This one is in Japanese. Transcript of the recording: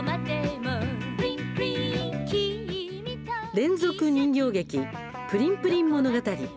連続人形劇「プリンプリン物語」。